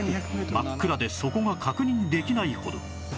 真っ暗で底が確認できないほど